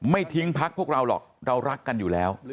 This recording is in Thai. ไม่ทิ้งพักพวกเราหรอกเรารักกันอยู่แล้ว